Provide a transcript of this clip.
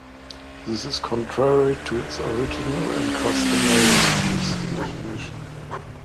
This is contrary to its original and customarily used definition.